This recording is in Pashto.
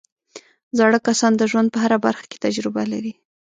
زاړه کسان د ژوند په هره برخه کې تجربه لري